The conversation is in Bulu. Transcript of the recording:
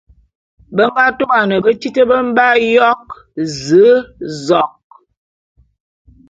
Be nga tôban betít be mbe ayok: Ze, zok...